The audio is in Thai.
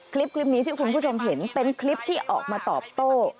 คลิปนี้ที่คุณผู้ชมเห็นเป็นคลิปที่ออกมาตอบโต้